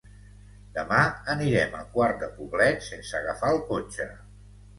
Demà anirem a Quart de Poblet sense agafar el cotxe.